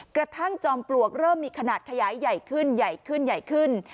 จอมปลวกเริ่มมีขนาดขยายใหญ่ขึ้นใหญ่ขึ้นใหญ่ขึ้น